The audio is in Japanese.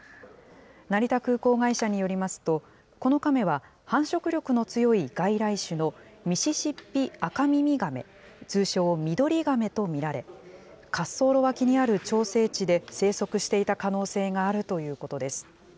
成田空港会社によりますと、このカメは繁殖力の強い外来種のミシシッピアカミミガメ、通称ミドリガメと見られ、滑走路脇にある調整池で生息していた可能性があるということです。